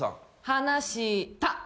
話した。